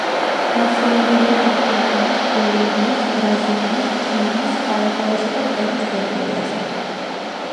გავრცელებულია არგენტინის, ბოლივიის, ბრაზილიის, ჩილის, პარაგვაისა და პერუს ტერიტორიაზე.